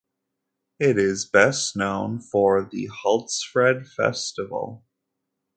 It is best known for the Hultsfred Festival.